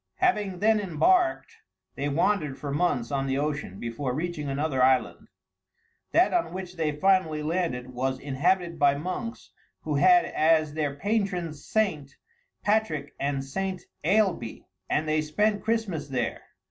Having then embarked, they wandered for months on the ocean, before reaching another island. That on which they finally landed was inhabited by monks who had as their patrons St. Patrick and St. Ailbée, and they spent Christmas there.